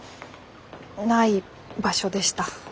ない場所でした。